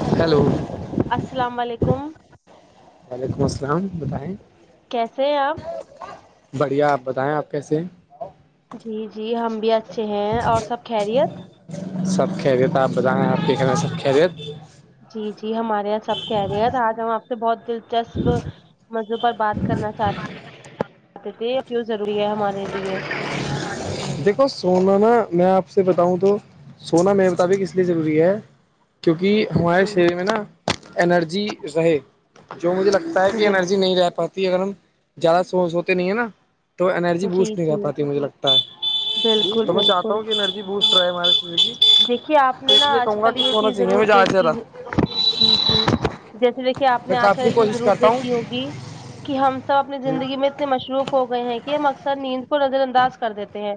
hello السلام علیکم وعلیکم السلام بتائیں کیسے ہیں آپ بڑھیا آپ بتائیں آپ کیسے جی جی ہم بھی اچھے ہیں اور سب خیریت سب کہ خریت آپ بتائیں آپ کے گھر میں سب خیریت جی جی ہمارے یہاں سب خیریت آج ہم آپ سے بہت دلچسپ مزوں پر بات کرنا چاہتے تھے کیوں ضروری ہے ہمارے لیے دیکھو سونا نا میں آپ سے بتاؤں تو سونا میرے مطابق اس لیے ضروری ہے کیونکہ ہمارے جی شریر میں نا انرجی رہے جو مجھے لگتا ہے کہ انرجی بالکل نہیں رہ پاتی اگر ہم زیادہ سوسوتے نہیں ہے نا تو انرجی جی بوسٹ نہیں کر جی پاتی مجھے لگتا ہے بالکل تو میں چاہتا بالکل ہوں کہ انرجی بوسٹ رہے ہمارے شریر کی دیکھیے آپ تو نے نا اس لیے آج کہوں گا کل کہ یہ سونا چیز چاہیے ضرور ہمیں زیادہ سے زیادہ دیکھی ہے جی جی جیسے دیک آپ میں نے آج کل کافی ایک چیز کوشش ضرور کرتا دیکھی ہوں ہوگی کہ ہم سب اپنی زندگی میں سے مصروف ہو گئے ہیں کہ ہم اکثر نیند کو نظر انداز کر دیتے ہیں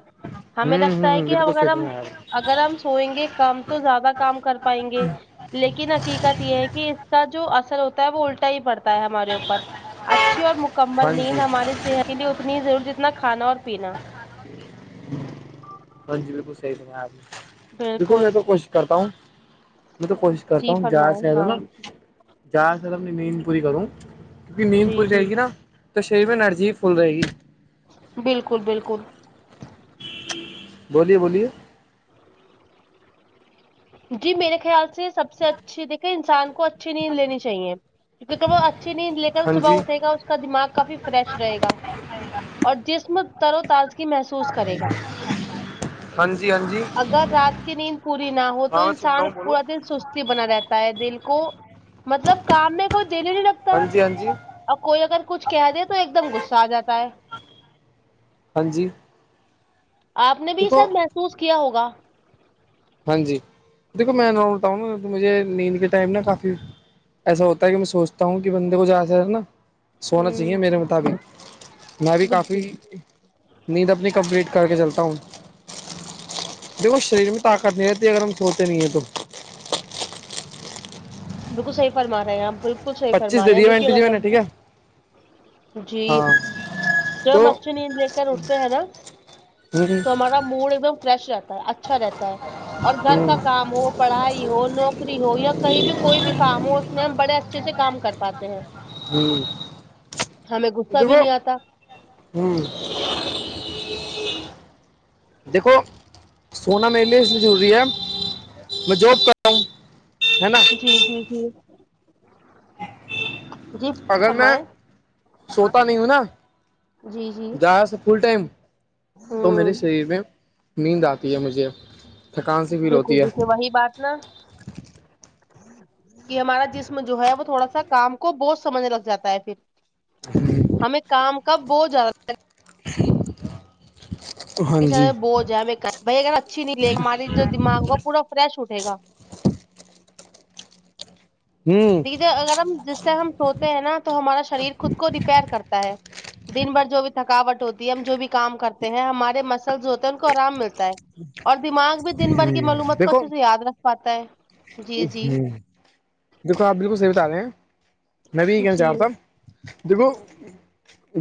ہمیں ہوں لگتا ہے ہوں کہ ہم بالکل اگر صحیح ہم فرمایا آپ نے اگر ہم سوئیں گے کم تو زیادہ کام کر پائیں گے لیکن حقیقت یہ ہے کہ اس کا جو اثر ہوتا ہے وہ الٹا ہی پڑتا ہے ہمارے اوپر اچھی اور ہاں مکمل نیند جی ہماری صحت چیزے اتنی ہی ضروری جتنا کھانا اور پینا ہاں جی بالکل صحیح فرمایا آپ نئے دیکھیے بالکل میں تو کوشش کرتا ہوں میں تو کوشش کرتا جی ہوں جہاں فرمائیں سے اتا ہاں ہونا جہاں سے میں اپنی نیند پوری کروں کیونکہ نیند جی پوری جی رہائے گی نا تو ہاں تو شریر میں انرجی بی فل رہے گی بالکل بالکل بولیے بولیے جی میرے خیال سے سب سے اچھی دیکھے انسان کو اچھی نیند لینی چاہیے کیونکہ وہ اچھی نہیں لے کر ہاں صبح جی اٹھے گا اس کا دماغ کافی فریش رہے گا اور جسم تر و تازگی محسوس کرے گا ہاں جی ہاں جی اگر رات کی نیند پوری نہ ہو تو ہاں میں سن رہا ہوں انسان بولو پورا دن سستی بنا رہتا ہے دن کو مطلب کام میں کوئی دل ہی نہیں رگتا ہیں ہاں جی ہاں جی اور کوئی اگر کچھ کہہ دے تو ایک دم غصہ آ جاتا ہے ہاں جی [unintelligible] آپ نے بھی دیکھو شاید محسوس کیا ہوگا ہاں جی دیکھو میں جب وہاں ہوتا ہوں نا مجھے نیند کے ٹائم نا کافی ایسا ہوتا ہے کہ میں سوچتا ہوں کہ بندے کو زیادہ س زیادہ نہ سونا ہوں چاہیے میرے مطابق میں بھی بالکل کافی نیند اپنی کمپلیٹ کر کے چلتا ہوں دیکھو شریر میں نہیںرے اگر ہم سوتے نہیںے تو بالکل صحی فرما رہے ہیں آپ بالکل صحی پچیس فرما دے رہے ہیں دیے میں دیکھیے جی اگر میں نے ٹھیک ہے جی ہاں جب ہم تو اچھی نیند لے کر اٹھتے ہیں نا تو جیسے ہ تو ہمارا موڈ ایک دم فریش رہتا ہے اچھا رہتا ہے اور گھر کا کام ہو پڑھائی لکھائی بزنس ہو نوکری ہو یا کہیں بھی کوئی بھی کام ہو اس میں ہم بڑے اچھے سے کام کر پاتے ہیں ہ ٹھیک ہے ہمیں غصہ بھی نہیں آتا ہوں دیکھو [unintelligible] سونا میرے لیے اس لیے ضروری ہے میں جاب کر رہا ہوں ہے نا جی جی جی جی [unintelligible] اگر میں سوتا نہیں ہوں نا جی جی تو جیسے فل ٹائم تو ہوں میرے شریر میں نیند آتی ہے مجھے تھکان سی بی فیل ہوتی ہے نہ [unintelligible] کہ ہمارا جسم جو ہے وہ تھوڑا سا کام کو بہت سمجھ لگ جاتا ہے پھر ہمیں کام کاب بہت زیادہ [inaudible] ہاں جی بوج ہے بھائی اگر اچھی نہیں لےی ہماری جو دماغ ہو وہ پورا فریش اٹے گا ہوں دیکے اگر ہم جس ٹائم ہم سوتے ہیں نا تو ہمارا شریر خود کو ریپیئر کرتا ہے دن بھر جو بھی تھکاوٹ ہوتی ہے ہم جو بھی کام کرتے ہیں ہمارے مسلز مسلز کو آرام ملتا ہے اور دماغ بھی دن بھر کی معلومات کو اچھے سے یاد رکھ پاتا ہے جی جی ہ دیکھو آپ بالکل صحیح بتا رہے ہیں میں بھی ابھی کہیں جا جی رہا تھا دیکھو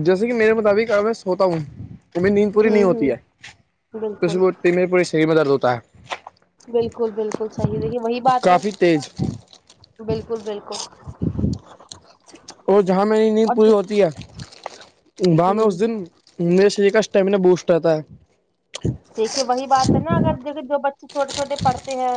جیسے کہ میرے مطابق اگر میں سوتا ہوں وہ میری نیند پوری نہیں ہوں ہوتی ہوں ہے تو اس بالکل ب میرے پورے شریر میں درد ہوتا ہے بالکل بالکل صحیح دیکھیے وہی بات ہے کافی تیز بالکل بالکل اور جہاں میری نیند اور پوری ج ہوتی ہے وہاں میں ہوں اس دن [unintelligible] میرے شریر کا اسٹیمیننا بوسٹ رہتا ہے دیکھیے وہی بات ہے نا اگر دیکھے جو بچے چھوٹے چھوٹے پڑھتے ہیں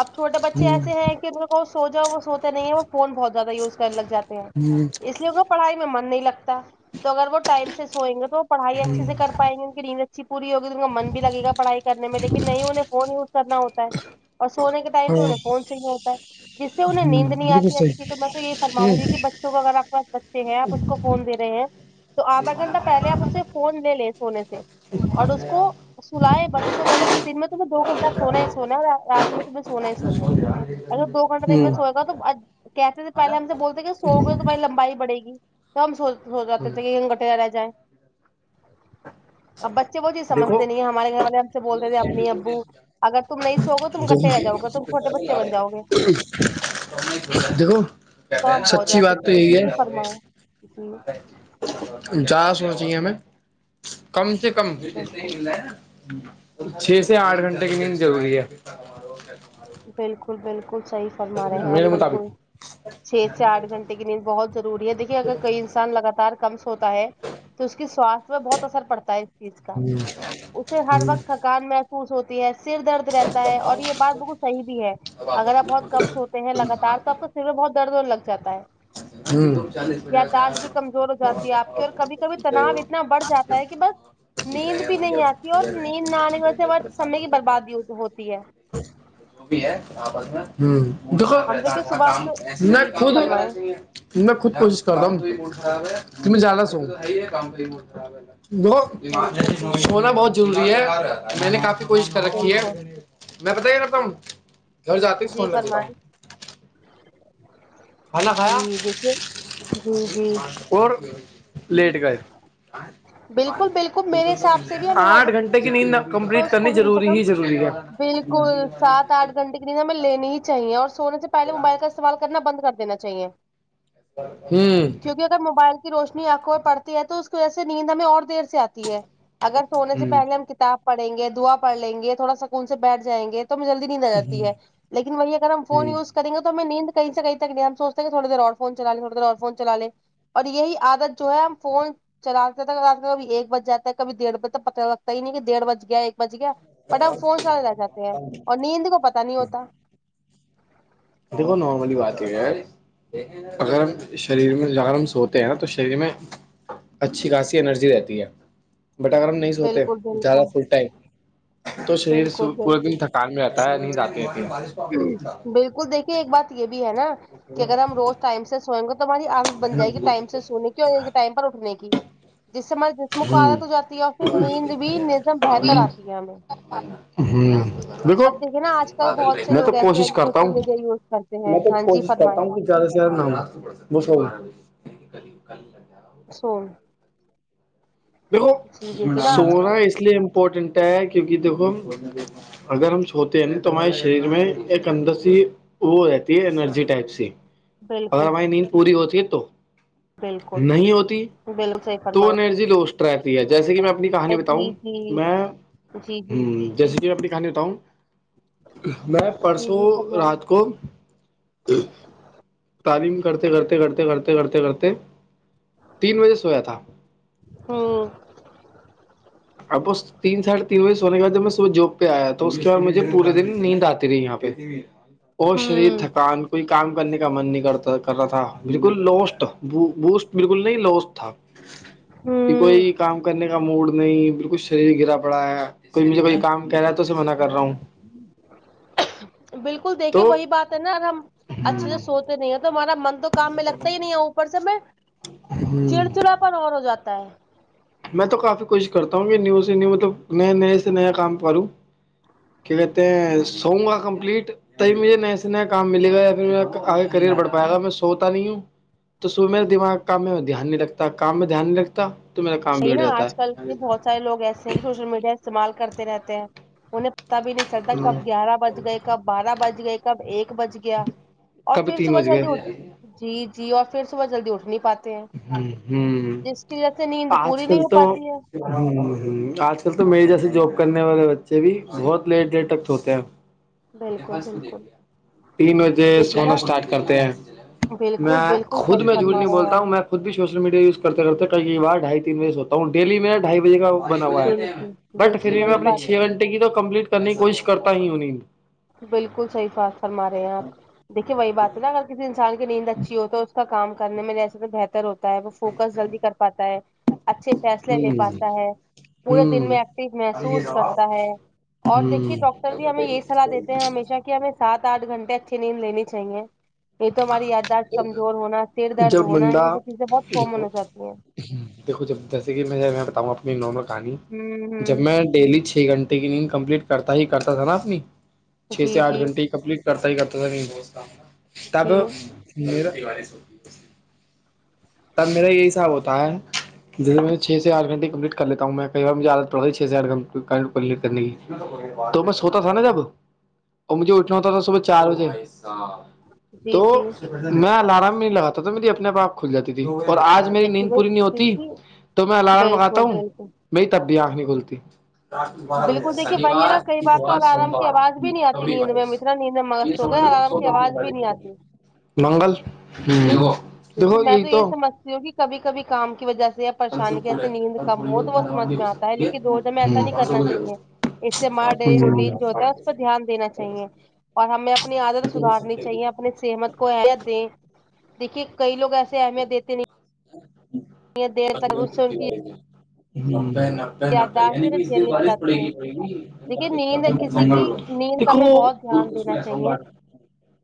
اب چھٹے بچے ایسے ہیں کہ ان سو جا وہ سوتے نہیں ہے وہ فون بہت زیادہ یوز کرنے لگ جاتے ہیں ہ [unintelligible] اس لیے ان کو پڑھائی میں من نہیں لگتا تو اگر وہ ٹائم سے سوئیں گے تو [unintelligible] پڑھائی اچھے سے کر پائیں گے ان کی نیند اچھی پوری ہوگی تو ان کا من بھی لگے گا پڑھائی کرنے میں لیکن نہیں فون یوز [unintelligible] پڑھائی کرنا ہوتا ہے اور سونے کے ٹائم پہ ہاں انہیں فون چاہیے ہوتا ہے [unintelligible] جس سے انہیں نیند نہیں بالکل آتی اچھی صحیح تو میں تو یہی فرماں گی کہ بچے تو اگر آپ کی پس بچے ہیں آپ اس کو فون دے رہے ہیں تو [unintelligible] تو آدھا گھنٹہ پہلے آپ اسے فون لے لیں سونے سے اور اس کو [unintelligible] ج [unintelligible] سلائے اسے بولے کہ دن میں تمہیں دو گھنٹہ سونا ہی سونا ہے اور رات میں تمہیں سونا ہی سونا ہے اگر دو گھنٹہ دن میں سوئے گا تو کیسے پہلے ہم سے بولتے کہ سو گئے تو بھائی لمبائی بڑے گی ک ہم سو سو رہاتے تھے کہ گٹر رہ جائے اب بچے وہ جی دیکھو سجھتے نہیں ہمارے گھر والے ہم سے بولتے تھے امی ابو اگر تم نہیں سو گئے اچھے سے تو تم رہ جاؤ گا تم چھوٹے بچے دیکھو بن جاؤ گے [unintelligible] دیکھو تو ہم بہت سچی زیادہ بات تو سوتے تھے یہی جی ہے جی کہ فرمائیں جی [unintelligible] جہاں سوچنا چاہیے ہمیں [unintelligible] کم سے کم بالکل چھ سے آٹھ گھنٹے کی نیند ضروری ہے ٹھیک ہے [unintelligible] بالکل بالکل صحیح فرما رہے ہیں آپ میرے بالکل مطابق چھ سے آھ گھنٹے کی نیند بہت ضروری ہے دیکھیے اگر کوئی انسان لگاتار کم س ہوتا ہے تو تو اس کی سواستھ پی بہت اثر پڑتا ہے اس چیز کا اسے ہر وقت تھکان محسوس ہوتی ہے سر درد رہتا ہے اور یہ [unintelligible] بات بالکل صحی بھی ہے اگر آپ بہت کم سوتے ہیں لگاتار تو آپ کہ سر میں بہت درد ہونے لگ جاتا ہے [unintelligible] میں یاداشت بھی کمزور ہو جاتی ہے آپ کی اور کبھی کبھی تناؤ اتنا بڑھ جاتا ہے کہ بس نیند بھی نہیں آتی اور نیند نہ آنے کی وجہ سے سم کی بربادی ہو جاتی ہے [unintelligible] وہ بھی ہے آپس میں [unintelligible] دیکھو ہم دیکھیے صبح ہم سے میں جی جی خود فرمائیں [unintelligible] میں خود کوشش کرتا ہوں جی میں زیادہ سو جاتا بالکل ہوں بالکل سونا بہت ضروری ہے میں نے کافی کوشش کر رکھی ہے بالکل [unintelligible] میں بتا کے رکھتا ہوں گھر جاتے ہی جی سونے لگ جاتا ہوں فرمائیں کھانا [unintelligible] جی کھایا دیکھیے جی جی اور پھر لیٹ گئے [unintelligible] بالکل بالکل میرے حساب سے بھی ہمیں ہر آٹھ گھنٹے کی نیند [unintelligible] نیند کمپلیٹ روز کرنی کوشش کم سے ضری کم ہی ضروری ہے بالکل سات آٹھ [unintelligible] گھنٹے نیند ہمیں لینی ہی چاہیے اور سونے سے پہلے موبائل کا استعمال کرنا بند کر دینا چاہیے [unintelligible] جی [unintelligible] کیونکہ اگر موبائل کی روشنی آنکھوں میں پڑتی ہے تو اس کی وجہ سے نیند ہمیں اور دیر سے آتی ہے اگر سونے سے ہوں پہلے ہم کتاب پڑھیں گے دعا پڑھ لیں گے تھوڑا سکون سے بیٹھ جائیں گے تو جلدی ند آ جاتی ہے لیکن وہی اگر ہم فون ہوں یوز کرے کریں گے تو ہمیں نیند کہیں سے کہئی تک نہیں اتی ہم سچتے ہے تھوڑی دیر اور تھوڑی دیر اور تھوڑی دیر اور فون چلا لے اور یہی عادت جو ہے ہم فون چلاتے چلتے کبھی ایک بج جاتا ہے کبھی ڈڑھ بجے ت پتا لگتا ہی نہیں کہ ڈیڑھ بج گیا ایک بج گیا بٹ ہم فون چلے رہ جاتے ہیں اور نیند کو پتا نہیں ہوتا دیکھو نارارملی بات ہے اگر ہم شریر میں اگر ہم سوتے ہیں نا تو شریر میں اچھی خاصی انرجی رہتی ہے بٹاگرر ہم نہیں سوتے بالکل زیادہ بالکل فل ٹائم تو شریر بالکل پورے بالکل دن تھک تھکان میں رہتا ہے نیند اتی نہیں ہے بالکل دیکھیے ایک بات یہ بھی ہے نا کہ اگر ہم روز ٹائم سے سوئیں گے تو تہاری عادت بن جائے گی ٹائم سے سونے کی اور ٹائم پر اٹنے کی جس سے ہماریے ہوں مکالت ہو جاتی ہے اور پھر نیند بھی نظم بہتر آتی ہے ہمیں ہوں [inaudible] دیکھو اب دیکھیے نا آج کل بہت سے میں تو لوگ ایسے ہیں کوشش جو کرتا سوشل ہوں میڈیا یوز کرتے ہیں میں تو ہاں جی کوشش کرتا فرمائیں ہوں کہ ٹائم پر سو جاؤں زیادہ سے زیادہ نام کر لا [inaudible] سو یہ [inaudible] دیکھو جی دیکھیے نا آج سونا کل اس لیے امپورٹنٹ ہے کیونکہ دیکھو اگر ہم سھوتے ہیں نا تو ہمارے شریر میں ایک انرجی سی وہ رہتی ہے انرجی ٹائپ س اگر بالکل ہماری نیند پوری ہوتی ہے تو بالکل نہیں ہوتی بالکل صحیح تو فرمایا ارجی لو اسٹرائپ جیسے کہ میں اپنی کہانی بتاؤں جی جی میں جی جی جیسے کہ میں اپنی کہانی بتاؤں میں جی پرسوں جی فرمائیں رات کو جب تعلیم کرتے کرتے کرتے کرتے کرتے کرتے میں تین بجے سویا تھا ہوں [inaudible] اب اس تین ساڑے تین بجے سونے بعد جب میں صبح جب پہ آیا تو اس کے بع مجھے پورے دن نیند آتی رہی یہاں پہ اور شریر ہوں تھکان کوئی کام کچھ کرنے کا من نہیں کر رہا تھا بالکل لوسٹ بوسٹ بالکل نہیں لوسٹ تھا کہ ہوں کوئی کام کرنے کا موڈ نہیں بالکل شریر گرا پڑا ہے کوئی مجھے کوئی کام کہہ رہا ہے تو اسے میںن نہ کر رہا ہوں بالکل دیکھیے تو وہی بات ہے نا اگر ہم اچھے سے سوتے نہیں ہیں تو ہمارا من تو کام میں لگتا ہی نہیں ہے اوپر سے میں ہ چڑچڑا پرن اور ہو جاتا ہے میں تو کافی کوشش کرتا ہوں کہ نیو سے نیو مطلب نئے نئے سے نیا کام کروں کیا کہتے ہیں سوگا کمپلیٹ کہیں سے کہیں مجھے نئے سے نیا کام ملے گا یا پھر م آگے کریئر بھ پائے گا میں سوتا نہیں ہوں تو صبح میرے دماغ کام میں دھیان نہیں رکھتا کام میں دھیان نہیں رکھتا تو میرا کام یہی بگڑ نا جاتا آج کل کے بہت سارے لوگ ایسے ہیں جو سوشل میڈیا استعمال کرتے رہتے ہیں انہیں پتا بھی نہیں چلتا ہے کب گیارہ بج گئے کب بارہ بج گئے کب ایک بج گیا اور کبھی پھر تین صبح بج جلدی گئے اٹھ جی جی اور پھر صبح جلدی اٹھ نہیں پاتے ہ جی جس کی وجہ سے نیند [unintelligible] پاتی ہے ہ ہ آج کل تو جواب کرنے والے بچے بھی بہت لیٹ دٹ تک تو ہوتے ہیں بالکل بالکل تین بجے دیکھیے سونا نا اسٹارٹ کرتے ہیں بالکل میں بالکل خود صحیح میں جھوٹ فرما نہیں رہے ہیں بولتا آپ ہوں میں خود بھی سوشل میڈیا یز کرتے رہتا ہوں کہیں کئی بار ڈھائی تین بجے سوتا ہوں ڈیلی میرا ڈھائی بجے کا بنا ہوا ہے بالکل بٹ پھر دیکھیے بھی میں وہی اپنی بات ہے چھ گھنٹے کی نیند کو کمپلیٹ کرنے کی کوشش کرتا ہی انہیں بالکل صحیح بات فرما رہے ہیں آپ دیکھیے وہی بات ہے نا اگر کسی انسان کی نیند اچھی ہو تو جیسے کام کرنے میں جیسے تو بہتر ہوتا ہے وہ فوکس جلدی کر پاتا ہے اور اچھے فیصلے لے پاتا ہے پورے دن ہوں میں ایکٹیو محسوس کرتا ہے اور دیکھیے ہوں ڈاکٹر بھی ہمیں یہی سلاح دیتے ہیں ہمیشہ کہ ہمیں سات آٹھ گھنٹے اچھیے نیند لینی چاہیے نہیں تو ہماری یاداشت کمزور ہونا سر درد جب ہونا بندہ یہ سب چیزیں بہت کامن دیکھو ہو جاتی ہیں دیکھو جب جیسے کہ میں میں بتاؤں اپنی نارمل کہانی ہوں جب ہوں میں میں ڈیلی چھ گھٹے کی کمپلیٹ کرتا ہی کرتا تھا نا اپنی چھ جی سے آھ جی گھنٹے کی کمپلیٹ میں کرتا ہی کرتا تھا نہیں بہ تھا تب جی م تب میرا یہی حساب ہوتا ہے جیسے میں چھ سے آٹھ گنٹے کمپلیٹ کر لیتا ہوں میں کئی بارجھے آادت پڑ چھز کرنے کی تو میں سوتا تھا نا جب اور مجھے اٹھنا ہوتا تھا صبح چار بجے بھائی صاحب جی تو جی میں الام نہیں لگاتا تھا تو میرا اپنے پاپ کھل جاتا اور آج میری دیکھیے نیند بھائی پوری نہیں ہوتی دیکھیے تو میں لگاتا بالکل ہوں بالکل میری تب بھی نہیں انکھ کھلتی ہے بالکل دیکھیے وہی ہے شنیوار نا کئی بار تو اتوار الارم کی سوموار آواز بھی نہیں آتی روی نیند واہ میں ہم اتنا نیند میں مست ہو گئے الارم کی آواز بھی نہیں آتی منگل ہ دیکھین میں تو یہ سمجھتی ہوں کہ کبھی کبھی کام کی وجہ سے پریشانی کیسے نیند کم ہو تو وہ سمجھ میں آتا ہے لیکن روزم میں ایسا نہیں کرنا چاہیے اس سے ہمارا ڈیلی روٹین جو ہوتا ہے اس پر دھیان دینا چاہیے اور ہمیں اپنی عادت سدھارنی چاہیے اپنے شہد کو اہمیت دیں دیکھیے کئی لوگ ایسے اہمیت دیتے نہیں نہیں بہت دیر تک میں سوئی ہی تھی منڈی ہے یادداشت جو یعنی ہے نا کہ اس دن جھیلنی پڑ بارش پڑے جاتی ہیں گیڑی دیکھیے نیند کسی جنگل کی نیند کا دیکھو ہمیں بہت ب دھیان کھ دینا میں سار چاہیے سار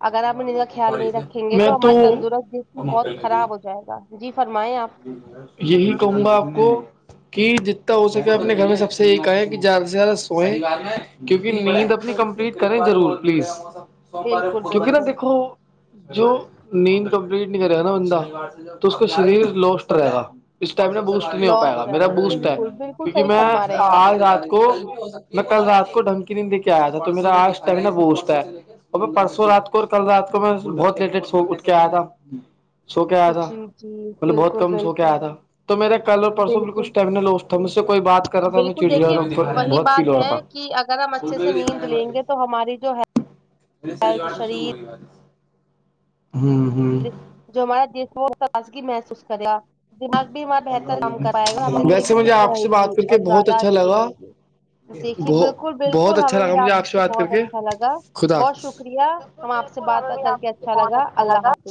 اگر ہم میں ان کا بت خیال نہیں بارش ہے رکھیں گے میں تو ہمارا تندرست جسم بہت خراب ہو جائے گا جی فرمائیں آپ یہی کہوں گا آپ کو کہ جتنا ہو سکے اپنے گھر میں سب سے یہ کہا کہ زیادہ سے زیادہ سوئیں کیونکہ نیند نیند اپنی بالکل کمپلیٹ کریں ضرور پلیز بالکل کیونکہ نہا بالکل دیکھو جو نیند کمپلیٹ نہیں کرے نا بندہ تو اس کا شریر لوسٹ رہے گا اس ٹائم نے بو نہیں ہو پائے گا لوس رہ میرا رہا بوسٹ ہے بالکل بالکل کیونکہ صحیح میں فرما رہے ہیں آپ آج رات کو میں کل رات کو ڈنگ کی نیند دے کے آیا تھا تو میرا آج شریر بوسٹ ہے اور میں پرسوں رات کو اور کل رات کو میں بہت لیٹٹ سو اٹھ کے آیا تھا سو کے آیا تھا ج جی مطلب بہت بالکل کم سو کے بالکل آیا تھا تو میرا کل اور پرسوں بالکل سٹمنا لاسٹ تھا مجھ سے کوئی بات کرا تھا میں بالکل چڑ دیکھیے وہی بہت فیل بات ہو ہے رہا تھا کہ اگر ہم اچھے سے نیند لیں گے تو ہماری جو اے ہیلتھ شنیوار سے شرع شریر ہو گیا ہ ہ جو ہمارا جسم ہے وہ تازگی محسوس کر رہا دماغ بھی ہمارا بہتر کام کر پائے گا ہماری ویسے زندگی مجھے فٹ آپ سے رہے گی بات کر کے اور بہت زیادہ اچھا اچھی لگا رہے گی دیکھیے ب بالکل بہت بالکل اچھا ہمیں لگا بھی مجھے آپ سے بات کر بہت کے اچھا لگا خدا بہت حافظ شکریہ ہمیں آپ سے بات کر کے اچھا لگا اللہ حاظ